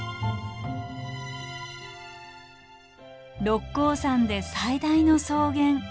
六甲山で最大の草原。